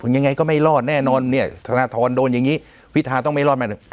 ยังไงก็ไม่รอดแน่นอนเนี่ยธนทรโดนอย่างนี้พิทาต้องไม่รอดแน่นอน